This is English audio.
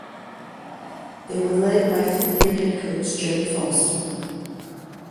They were led by fifth–year head coach Gerry Faust.